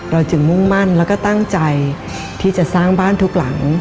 จึงมุ่งมั่นแล้วก็ตั้งใจที่จะสร้างบ้านทุกหลัง